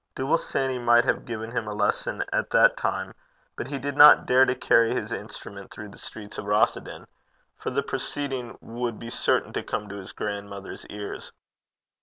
Dooble Sanny might have given him a lesson at that time, but he did not dare to carry his instrument through the streets of Rothieden, for the proceeding would be certain to come to his grandmother's ears.